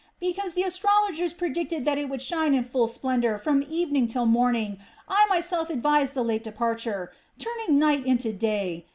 Because the astrologers predicted that it would shine in full splendor from evening till morning, I myself advised the late departure, turning night into day.